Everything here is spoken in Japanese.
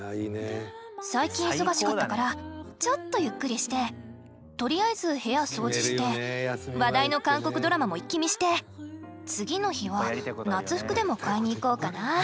最近忙しかったからちょっとゆっくりしてとりあえず部屋掃除して話題の韓国ドラマも一気見して次の日は夏服でも買いに行こうかな。